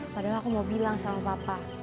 padahal aku mau bilang sama bapak